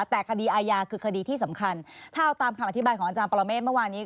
แต่คดีอายาคือคดีที่สำคัญถ้าเอาตามคำอธิบายของอาจารย์ปรเมฆเมื่อวานนี้